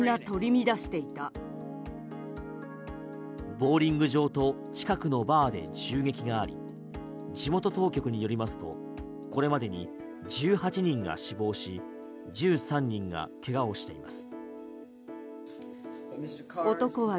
ボウリング場と近くのバーで銃撃があり地元当局によりますとこれまでに１８人が死亡し１３人が怪我をしています。